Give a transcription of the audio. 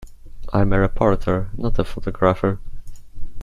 I'm a reporter not a photographer.